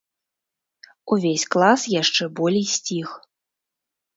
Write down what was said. Увесь клас яшчэ болей сціх.